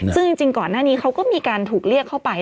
ซึ่งจริงก่อนหน้านี้เขาก็มีการถูกเรียกเข้าไป